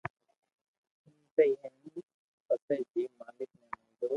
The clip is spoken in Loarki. ايم سھي ھي ني پسي جيم مالڪ ني منظور